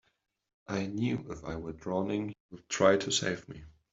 I knew if I were drowning you'd try to save me.